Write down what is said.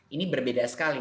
ini berbeda sekali